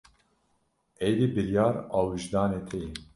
Êdî biryar a wijdanê te ye.